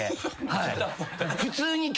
はい。